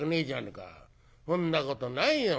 「そんなことないよ。